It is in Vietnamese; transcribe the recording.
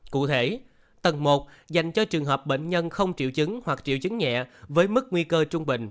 cụ thể tầng một dành cho trường hợp bệnh nhân không triệu chứng hoặc triệu chứng nhẹ với mức nguy cơ trung bình